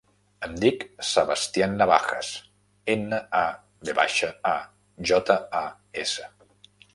Em dic Sebastian Navajas: ena, a, ve baixa, a, jota, a, essa.